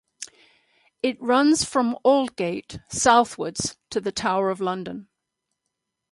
It runs from Aldgate southwards to the Tower of London.